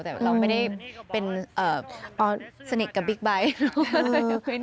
แต่เราไม่ได้เป็นสนิทกับบิ๊กไบท์